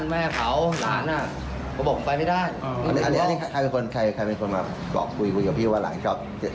แม่ของเด็กหญิงผู้เสียหายโทรมาสอบถามเหมือนกัน